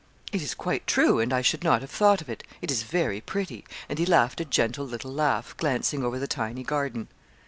'It is quite true; and I should not have thought of it it is very pretty,' and he laughed a gentle little laugh, glancing over the tiny garden.